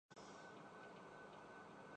petroleum مصنوعات کی قیمتوں میں کمی کردی گئی